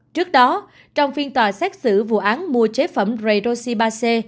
trước đó trong phiên tòa xét xử vụ án mua chế phẩm redoxy ba c